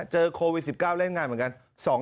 เจอโควิด๑๙เล่นงานเหมือนกัน